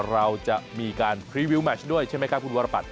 เราจะมีการพรีวิวแมชด้วยใช่ไหมครับคุณวรปัต